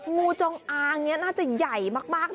คุณน่าจะใหญ่มาก